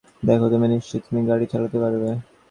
দেখো, তুমি নিশ্চিত তুমি গাড়ি চালাতে পারবে?